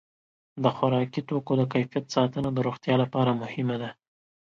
د خوراکي توکو د کیفیت ساتنه د روغتیا لپاره مهمه ده.